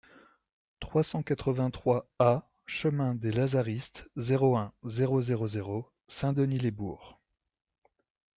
trois cent quatre-vingt-trois A chemin des Lazaristes, zéro un, zéro zéro zéro Saint-Denis-lès-Bourg